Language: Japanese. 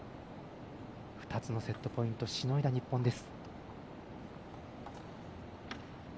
２つのセットポイントをしのいだ日本です。